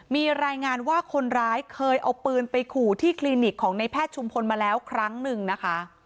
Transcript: มีรายงานว่าคนร้ายเคยเอาปืนไปขู่ที่คลินิกของในแพทย์ชุมพลมาแล้วครั้งหนึ่งนะคะ